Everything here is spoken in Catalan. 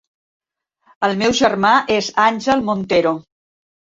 El meu germà és Angel Montero.